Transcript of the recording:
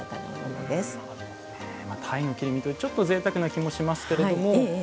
鯛の切り身というとちょっとぜいたくな気もしますが。